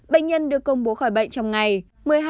bệnh nhân được công bố khỏi bệnh